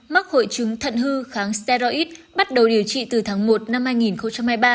mắc hội chứng thận hư kháng staris bắt đầu điều trị từ tháng một năm hai nghìn hai mươi ba